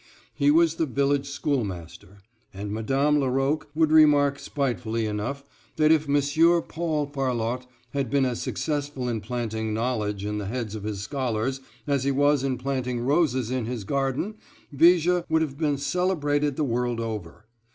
He was the village schoolmaster, and Madame Laroque would remark spitefully enough that if Monsieur Paul Farlotte had been as successful in planting knowledge in the heads of his scholars as he was in planting roses in his garden Viger would have been celebrated the world over.